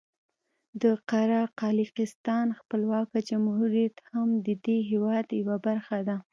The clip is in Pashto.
د قره قالیاقستان خپلواکه جمهوریت هم د دې هېواد یوه برخه ده.